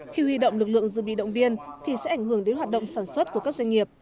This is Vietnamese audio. khi huy động lực lượng dự bị động viên thì sẽ ảnh hưởng đến hoạt động sản xuất của các doanh nghiệp